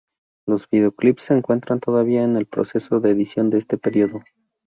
Los video clips se encuentran todavía en el proceso de edición de este período.